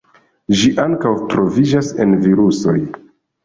Ĝi ankaŭ troviĝas en virusoj.